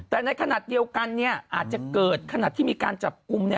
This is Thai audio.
แต่ในขณะเดียวกันอาจจะเกิดขณะที่มีการจับกลุ่ม